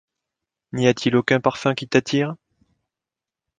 N’y a-t-il aucun parfum qui t’attire ?